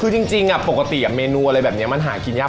คือจริงปกติเมนูอะไรแบบนี้มันหากินยาก